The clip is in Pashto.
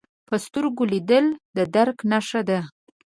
په سترګو لیدل د درک نښه ده